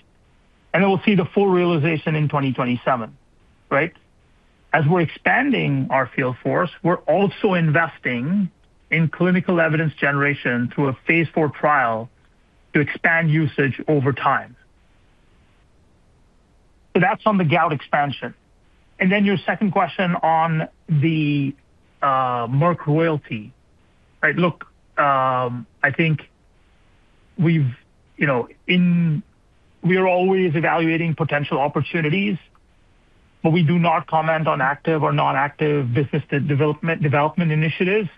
then we'll see the full realization in 2027, right? As we're expanding our field force, we're also investing in clinical evidence generation through a Phase 4 trial to expand usage over time. That's on the gout expansion. Then your second question on the Merck royalty. Right. Look, I think we've, you know, we are always evaluating potential opportunities, but we do not comment on active or non-active business development initiatives,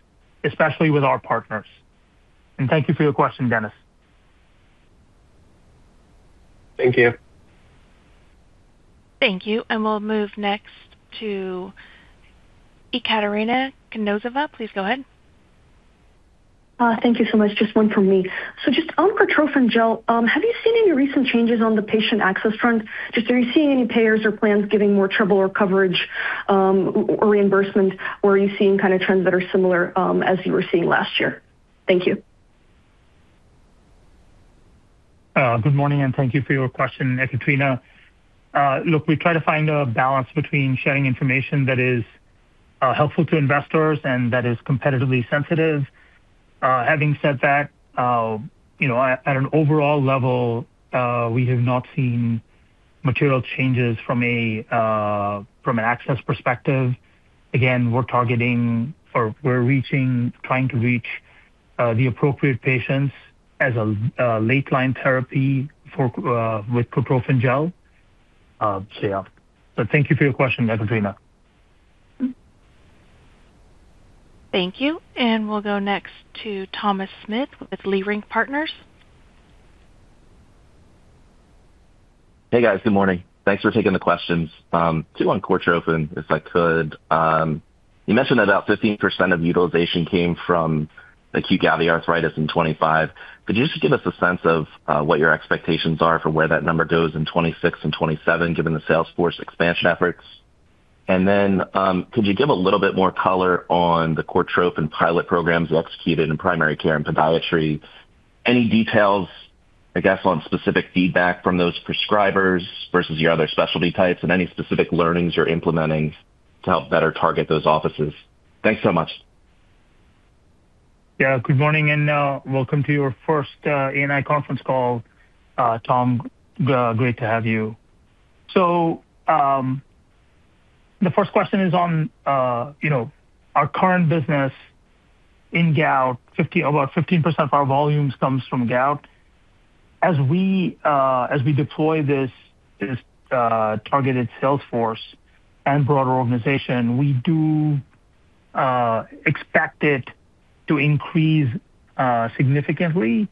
especially with our partners. Thank you for your question, Dennis. Thank you. Thank you. We'll move next to Ekaterina Kononova. Please go ahead. Thank you so much. Just one from me. Just on Cortrophin Gel, have you seen any recent changes on the patient access front? Are you seeing any payers or plans giving more trouble or coverage, or reimbursement, or are you seeing kind of trends that are similar as you were seeing last year? Thank you. Good morning, thank you for your question, Ekaterina. Look, we try to find a balance between sharing information that is helpful to investors and that is competitively sensitive. Having said that, you know, at an overall level, we have not seen material changes from an access perspective. Again, we're targeting or we're reaching, trying to reach, the appropriate patients as a late line therapy for with Cortrophin Gel. Yeah. Thank you for your question, Ekaterina. Thank you. We'll go next to Thomas Smith with Leerink Partners. Hey, guys. Good morning. Thanks for taking the questions. Two on Cortrophin, if I could. You mentioned that about 15% of utilization came from acute gouty arthritis in 25. Could you just give us a sense of what your expectations are for where that number goes in 26 and 27, given the sales force expansion efforts? Could you give a little bit more color on the Cortrophin pilot programs you executed in primary care and podiatry? Any details, I guess, on specific feedback from those prescribers versus your other specialty types and any specific learnings you're implementing to help better target those offices? Thanks so much. Good morning, welcome to your first ANI Conference Call. Tom, great to have you. The first question is on, you know, our current business in gout. About 15% of our volumes comes from gout. As we deploy this targeted sales force and broader organization, we do expect it to increase significantly.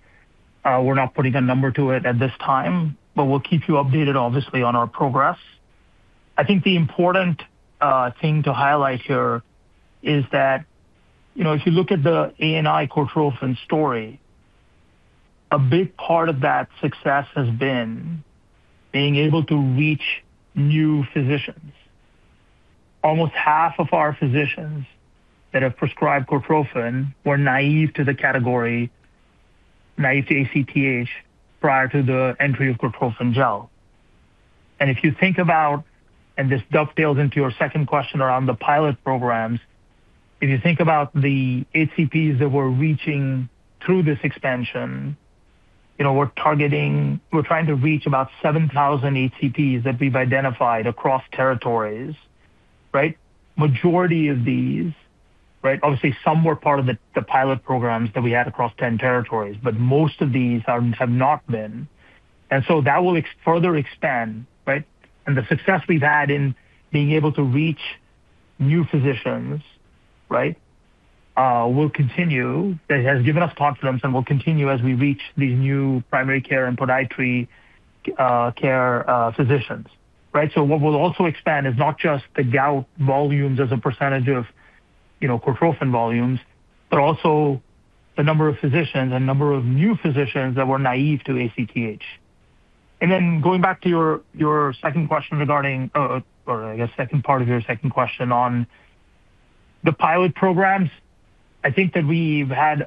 We're not putting a number to it at this time, but we'll keep you updated, obviously, on our progress. I think the important thing to highlight here is that, you know, if you look at the ANI Cortrophin story, a big part of that success has been being able to reach new physicians. Almost half of our physicians that have prescribed Cortrophin were naive to the category, naive to ACTH, prior to the entry of Cortrophin Gel. If you think about, and this dovetails into your second question around the pilot programs, if you think about the HCPs that we're reaching through this expansion, you know, we're targeting, we're trying to reach about 7,000 HCPs that we've identified across territories, right? Majority of these, right, obviously, some were part of the pilot programs that we had across 10 territories, but most of these are, have not been. That will further expand, right? The success we've had in being able to reach new physicians, right, will continue. It has given us confidence and will continue as we reach these new primary care and podiatry care physicians. Right? What we'll also expand is not just the gout volumes as a percentage of, you know, Cortrophin volumes, but also the number of physicians and number of new physicians that were naive to ACTH. Going back to your second question regarding, or I guess, second part of your second question on the pilot programs, I think that we've had,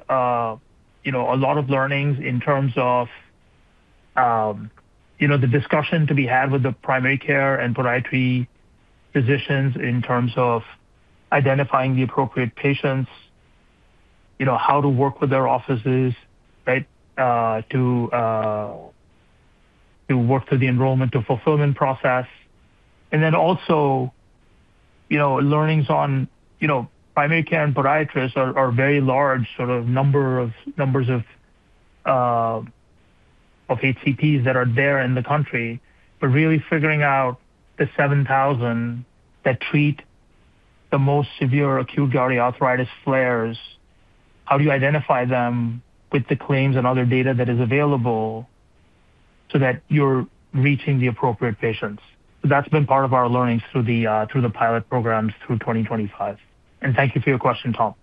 you know, a lot of learnings in terms of, you know, the discussion to be had with the primary care and podiatry physicians in terms of identifying the appropriate patients, you know, how to work with their offices, right, to work through the enrollment to fulfillment process. Also, you know, learnings on, you know, primary care and podiatrists are very large, sort of number of HCP's that are there in the country. Really figuring out the 7,000 that treat the most severe acute gouty arthritis flares, how do you identify them with the claims and other data that is available so that you're reaching the appropriate patients? That's been part of our learnings through the through the pilot programs through 2025. Thank you for your question, Tom.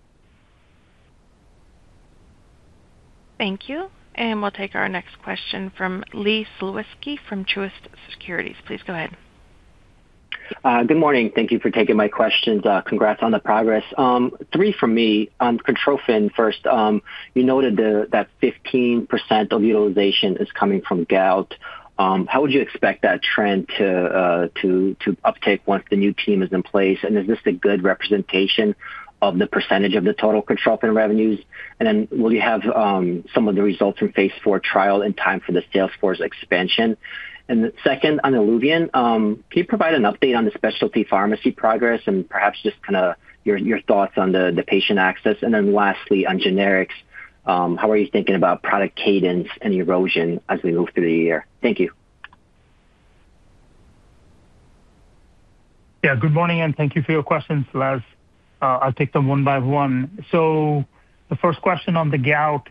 Thank you. We'll take our next question from Leszek Sulewski from Truist Securities. Please go ahead. Good morning. Thank you for taking my questions. Congrats on the progress. Three from me. On Cortrophin, first, you noted that 15% of utilization is coming from gout. How would you expect that trend to uptake once the new team is in place? Is this a good representation of the percentage of the total Cortrophin revenues? Will you have some of the results from Phase 4 trial in time for the sales force expansion? Second, on ILUVIEN, can you provide an update on the specialty pharmacy progress and perhaps just kind of your thoughts on the patient access? Lastly, on generics, how are you thinking about product cadence and erosion as we move through the year? Thank you. Yeah, good morning. Thank you for your questions, Les. I'll take them one by one. The first question on the gout,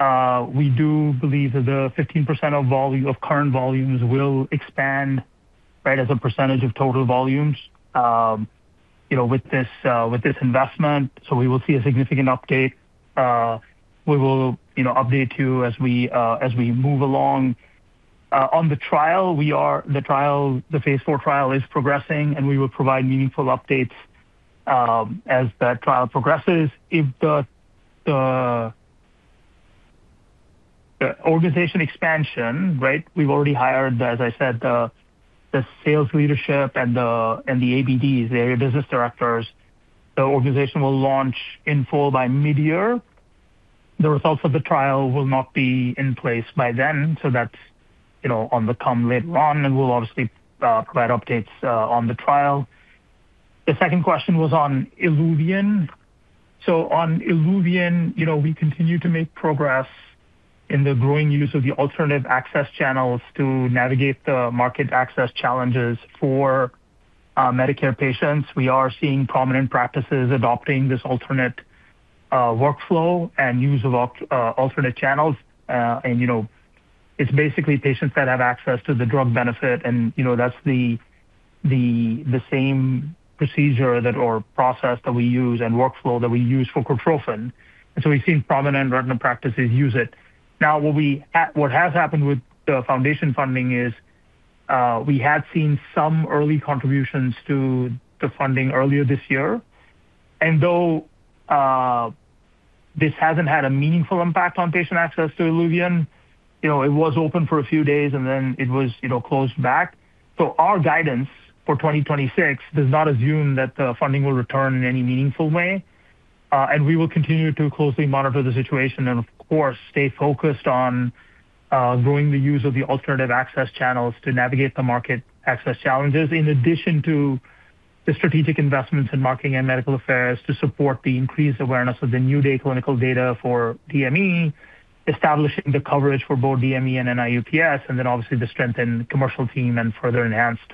we do believe that the 15% of volume, of current volumes will expand right, as a percentage of total volumes, you know, with this investment. We will see a significant update. We will, you know, update you as we as we move along. On the trial, the Phase 4 trial is progressing, and we will provide meaningful updates as that trial progresses. The organization expansion, right, we've already hired, as I said, the sales leadership and the ABD, the Area Business Directors. The organization will launch in full by midyear. The results of the trial will not be in place by then, so that's, you know, on the come later on and we'll obviously provide updates on the trial. The second question was on ILUVIEN. On ILUVIEN, you know, we continue to make progress in the growing use of the alternative access channels to navigate the market access challenges for Medicare patients. We are seeing prominent practices adopting this alternate workflow and use of alt alternate channels. You know, it's basically patients that have access to the drug benefit and, you know, that's the same procedure that or process that we use and workflow that we use for Cortrophin. We've seen prominent retina practices use it. What we have, what has happened with the foundation funding is, we have seen some early contributions to the funding earlier this year, and though, this hasn't had a meaningful impact on patient access to ILUVIEN. You know, it was open for a few days, and then it was, you know, closed back. Our guidance for 2026 does not assume that the funding will return in any meaningful way. We will continue to closely monitor the situation and, of course, stay focused on growing the use of the alternative access channels to navigate the market access challenges, in addition to the strategic investments in marketing and medical affairs to support the increased awareness of the NEW DAY clinical data for DME, Establishing the coverage for both DME and NIU-PS, and then obviously the strengthened commercial team and further enhanced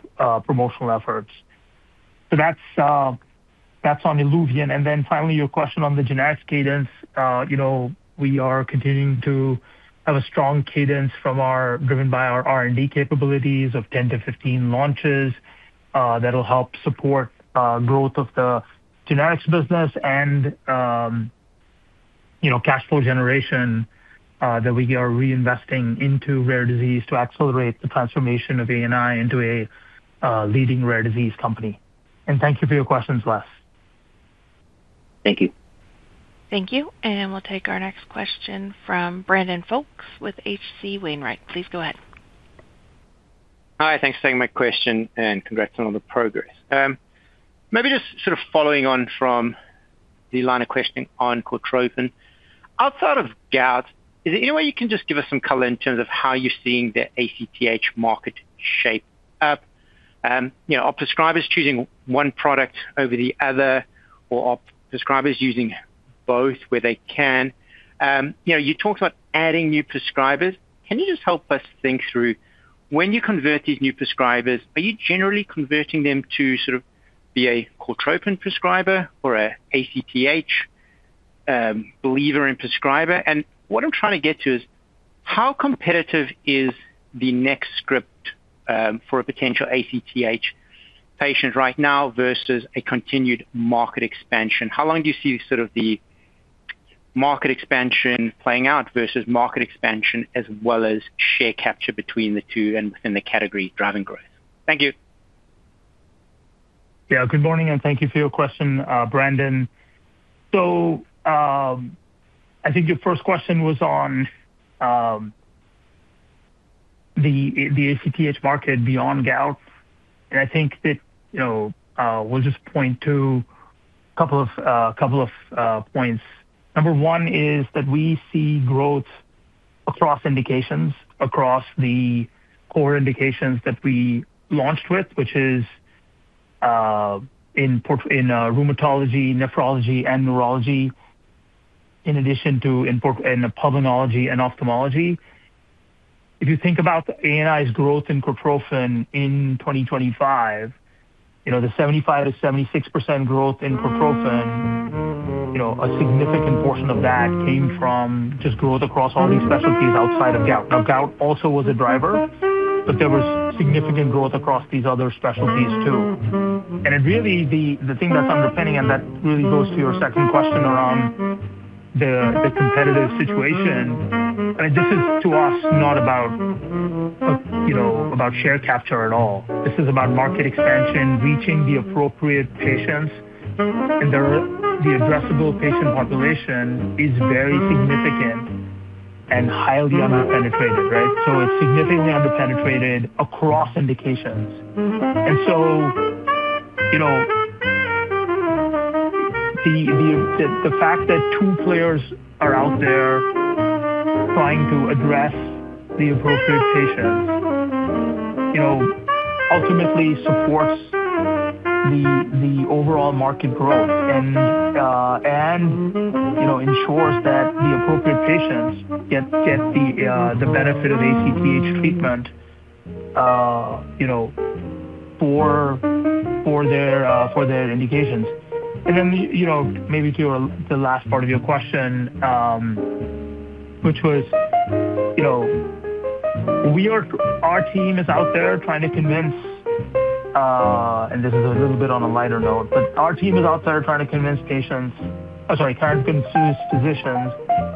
promotional efforts. That's, that's on ILUVIEN. Finally, your question on the genetics cadence. You know, we are continuing to have a strong cadence driven by our R&D capabilities of 10 to 15 launches, that will help support growth of the genetics business and, you know, cash flow generation, that we are reinvesting into rare disease to accelerate the transformation of ANI into a leading rare disease company. Thank you for your questions, Les. Thank you. Thank you. We'll take our next question from Brandon Folkes with H.C. Wainwright. Please go ahead. Hi, thanks for taking my question. Congrats on all the progress. Maybe just sort of following on from the line of questioning on Cortrophin. Outside of gout, is there any way you can just give us some color in terms of how you're seeing the ACTH market shape up? You know, are prescribers choosing one product over the other, or are prescribers using both where they can? You know, you talked about adding new prescribers. Can you just help us think through, when you convert these new prescribers, are you generally converting them to sort of be a Cortrophin prescriber or a ACTH believer and prescriber? What I'm trying to get to is how competitive is the next script for a potential ACTH patient right now versus a continued market expansion? How long do you see sort of the market expansion playing out versus market expansion as well as share capture between the two and within the category driving growth? Thank you. Good morning, and thank you for your question, Brandon. I think your first question was on the ACTH market beyond gout, and I think that, you know, we'll just point to a couple of points. Number one is that we see growth across indications, across the core indications that we launched with, which is in rheumatology, nephrology, and neurology, in addition to in pulmonology and ophthalmology. If you think about ANI's growth in Cortrophin in 2025, you know, the 75% to 76% growth in Cortrophin, you know, a significant portion of that came from just growth across all these specialties outside of gout. Gout also was a driver, but there was significant growth across these other specialties, too. Really, the thing that's underpinning, that really goes to your second question around the competitive situation, this is, to us, not about, you know, share capture at all. This is about market expansion, reaching the appropriate patients, the addressable patient population is very significant and highly underpenetrated, right? It's significantly underpenetrated across indications. You know, the fact that two players are out there trying to address the appropriate patients, you know, ultimately supports the overall market growth, you know, ensures that the appropriate patients get the benefit of ACTH treatment, you know, for their indications. You know, maybe to your, the last part of your question, which was, you know, our team is out there trying to convince, and this is a little bit on a lighter note, but our team is out there trying to convince patients, oh, sorry, trying to convince physicians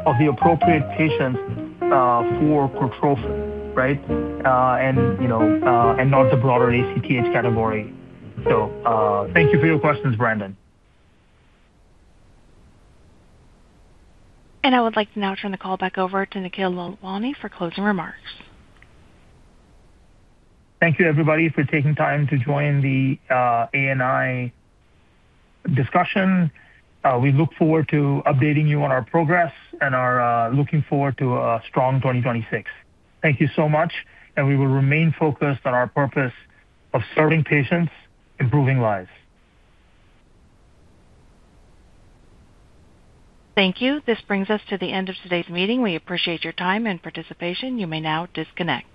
of the appropriate patients, for Cortrophin, right? You know, and not the broader ACTH category. Thank you for your questions, Brandon. I would like to now turn the call back over to Nikhil Lalwani for closing remarks. Thank you, everybody, for taking time to join the ANI discussion. We look forward to updating you on our progress and are looking forward to a strong 2026. Thank you so much. We will remain focused on our purpose of serving patients, improving lives. Thank you. This brings us to the end of today's meeting. We appreciate your time and participation. You may now disconnect.